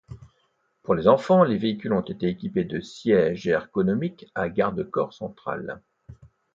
Pour les enfants, les véhicules ont été équipés de sièges ergonomiques à garde-corps central.